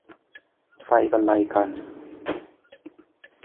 ไฟบรรลัยกัลป์